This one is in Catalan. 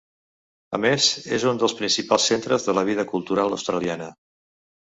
A més, és un dels principals centres de la vida cultural australiana.